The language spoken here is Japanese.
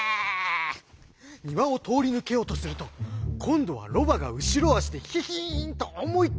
にわをとおりぬけようとするとこんどはロバがうしろあしでヒヒンとおもいっきりけとばしました。